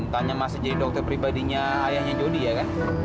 tanya masih jadi dokter pribadinya ayahnya jody ya kan